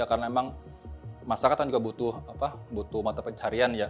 karena emang masyarakat juga butuh mata pencarian